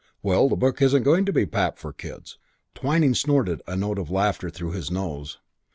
"Well, the book isn't going to be pap for kids." Twyning snorted a note of laughter through his nose.